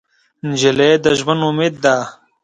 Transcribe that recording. نجلۍ د ژونده امید ده.